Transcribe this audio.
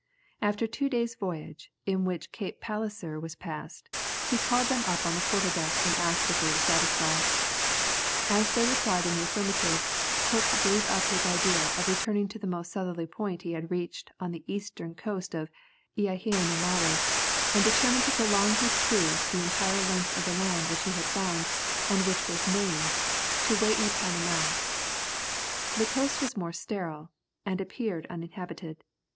After two days' voyage, in which Cape Palliser was passed, he called them up on the quarter deck and asked if they were satisfied. As they replied in the affirmative, Cook gave up his idea of returning to the most southerly point he had reached on the eastern coast of Eaheinomauwe, and determined to prolong his cruise the entire length of the land which he had found, and which was named Tawai Pounamow. The coast was more sterile, and appeared uninhabited.